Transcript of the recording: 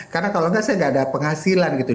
karena kalau tidak saya tidak ada penghasilan gitu